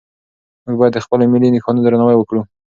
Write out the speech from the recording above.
موږ باید د خپلو ملي نښانو درناوی وکړو.